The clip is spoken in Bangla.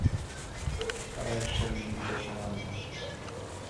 তারা ঈশ্বরের নির্দেশ অমান্য করেছে!